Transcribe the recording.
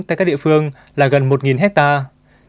tại các địa phương là gần một hectare